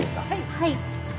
はい。